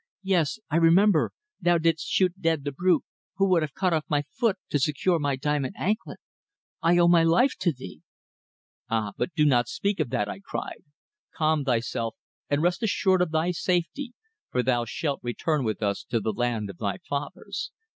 "Yes, I remember, thou didst shoot dead the brute who would have cut off my foot to secure my diamond anklet. I owe my life to thee." "Ah! do not speak of that," I cried. "Calm thyself and rest assured of thy safety, for thou shalt return with us to the land of thy fathers.